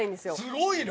すごいな。